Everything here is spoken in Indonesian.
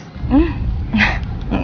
nggak pak tante